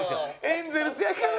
エンゼルスやから。